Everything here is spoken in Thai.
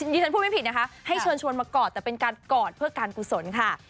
ฉันพูดไม่ผิดนะคะให้เชิญชวนมากอดแต่เป็นการกอดเพื่อการกุศลค่ะ